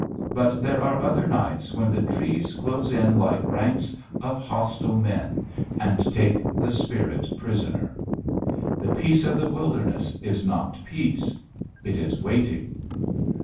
But there are other nights when the trees close in like ranks of hostile men and take the spirit prisoner. The peace of the wilderness is not peace. It is waiting.